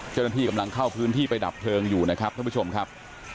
เจ้าหน้าที่กำลังเข้าพื้นที่ไปดับเพลิงอยู่นะครับท่านผู้ชมครับ